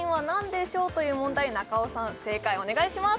正解お願いします